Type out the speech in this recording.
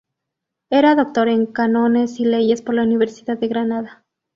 Era doctor en cánones y leyes por la Universidad de Granada.